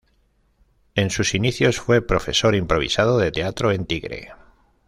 En sus inicios fue profesor improvisado de teatro en Tigre.